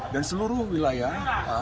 dan seluruh wilayah